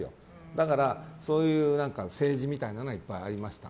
だからそういう政治みたいなのはいっぱいありました。